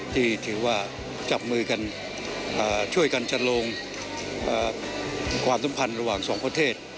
ที่ถือว่าจับมือกันช่วยกันจัดลงความสัมพันธ์ระหว่างสองประเทศ